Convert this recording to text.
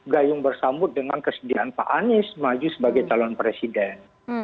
nah yang bersambut dengan kesedihan pak anies maju sebagai calon presiden